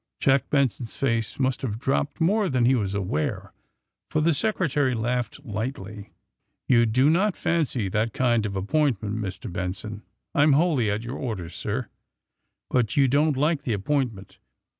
'' Jack Benson's face raust have dropped more than he was aware, for the Secretary laughed lightly. *^You do not fancy that kind of an appoint ment, Mr. Benson." *^I am wholly at your orders, sir." '*But you don^t like the appointment?"'